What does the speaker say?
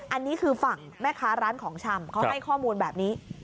อันนี้คือฝั่งแม่ค้าร้านของชำเขาให้ข้อมูลแบบนี้